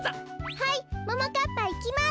はいももかっぱいきます。